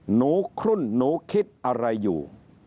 หนูคลุ่นหนูคิดอะไรอยู่